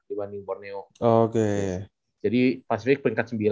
jadi pasifik peringkat sembilan